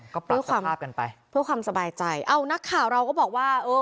ก็เพื่อความกันไปเพื่อความสบายใจเอานักข่าวเราก็บอกว่าเออ